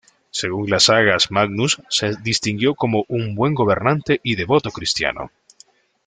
Según las sagas, Magnus se distinguió como un buen gobernante y devoto cristiano.